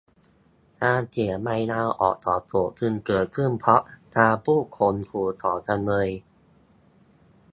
การเขียนใบลาออกของโจทก์จึงเกิดขึ้นเพราะการพูดข่มขู่ของจำเลย